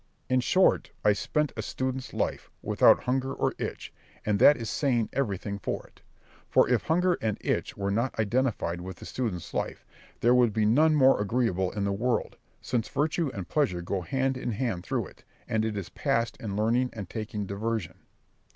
In short, I spent a student's life, without hunger or itch, and that is saying everything for it; for if hunger and itch were not identified with the student's life, there would be none more agreeable in the world; since virtue and pleasure go hand in hand through it, and it is passed in learning and taking diversion.